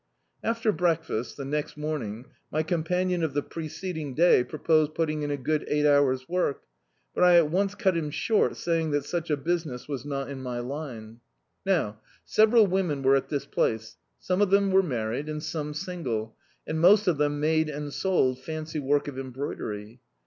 After breakfast, the next morning, my companion of the preceding day proposed putting in a good ei^t hours' work, but I at once cut him short say ing that such a business was not in my line. Now, [2351 D,i.,.db, Google The Autobiography of a Super Tramp several women were at this place; some of them were married, and some single, and most of them made and sold fancy work of embroidery.